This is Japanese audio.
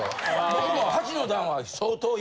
僕も。